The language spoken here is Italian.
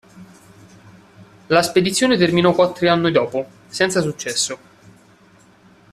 La spedizione terminò quattro anni dopo, senza successo.